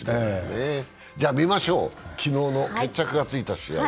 じゃ、見ましょう、昨日決着がついた試合。